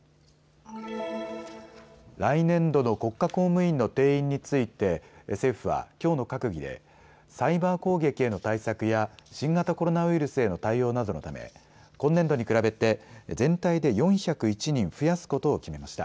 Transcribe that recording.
来年度の国家公務員の定員について政府はきょうの閣議でサイバー攻撃への対策や新型コロナウイルスへの対応などのため今年度に比べて全体で４０１人増やすことを決めました。